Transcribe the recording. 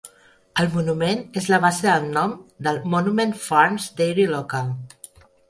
El monument és la base del nom del Monument Farms Dairy local.